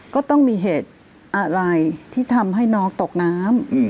ก็ต้องมีเหตุอะไรที่ทำให้น้องตกน้ำ